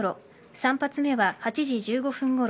３発目は８時１５分ごろ